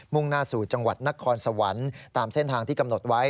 ่งหน้าสู่จังหวัดนครสวรรค์ตามเส้นทางที่กำหนดไว้